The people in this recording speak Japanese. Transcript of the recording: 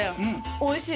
おいしい。